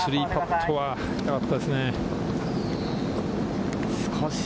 この３パットは痛かったですね。